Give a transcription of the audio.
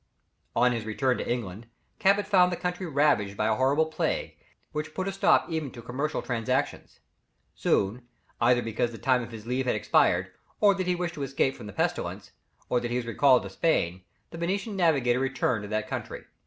On his return to England, Cabot found the country ravaged by a horrible plague, which put a stop even to commercial transactions. Soon, either because the time of his leave had expired, or that he wished to escape from the pestilence, or that he was recalled to Spain, the Venetian navigator returned to that country.